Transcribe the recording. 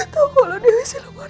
tunggu dulu dewi silam warna ular